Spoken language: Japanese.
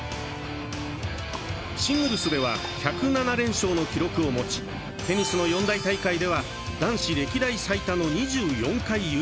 シングルスでは１０７連勝の記録を持ちテニスの四大大会では男子歴代最多の２４回優勝！